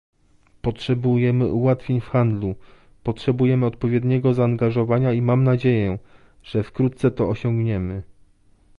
Potrzebujemy ułatwień w handlu, potrzebujemy odpowiedniego zaangażowania i mam nadzieję, że wkrótce to osiągniemy